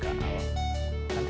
kalau kayaknya kan gue